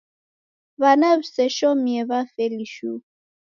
W'ana w'iseshomie w'afeli shuu.